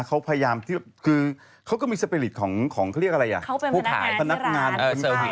เขาพยายามที่คือเขาก็มีของของเขาเรียกอะไรอ่ะเขาเป็นพนักงานพนักงาน